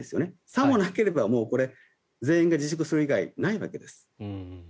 さもなければ全員が自粛する以外ないわけです。